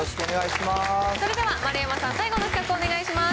それでは丸山さん、最後の企画をお願いします。